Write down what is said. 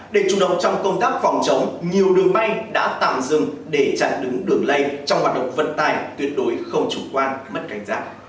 để chủ động trong công tác phòng chống nhiều đường bay đã tạm dừng để chặn đứng đường lây trong hoạt động vận tải tuyệt đối không chủ quan mất cảnh giác